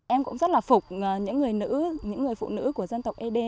em cũng rất là phục những người nữ những người phụ nữ của dân tộc ấy đê